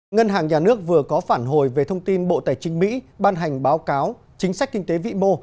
ngân hàng nhà nước vừa có phản hồi về thông tin bộ tài chính mỹ ban hành báo cáo chính sách kinh tế vĩ mô